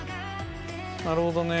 なるほどね。